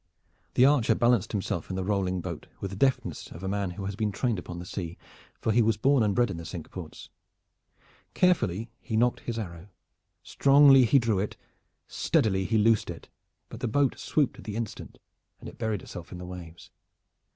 The archer balanced himself in the rolling boat with the deftness of a man who has been trained upon the sea, for he was born and bred in the Cinque Ports. Carefully he nocked his arrow, strongly he drew it, steadily he loosed it, but the boat swooped at the instant, and it buried itself in the waves.